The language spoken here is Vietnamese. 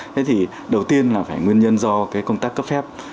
thế thì đầu tiên là phải nguyên nhân do cái công tác cấp phép